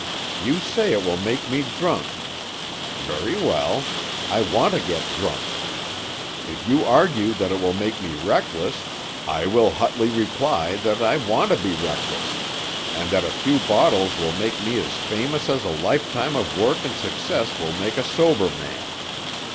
You say it will make me drunk. Very well; I want to get drunk. If you argue that it will make me reckless, I will hotly reply that I want to be reckless, and that a few bottles will make me as famous as a lifetime of work and success will make a sober man.